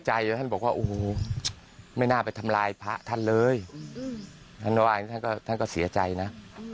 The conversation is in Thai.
ท่านว่าอันนี้ท่านก็เสียใจนะ